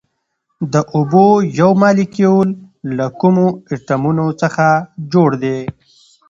د اوبو یو مالیکول له کومو اتومونو څخه جوړ دی